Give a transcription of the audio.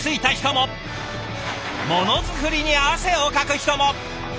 ものづくりに汗をかく人も！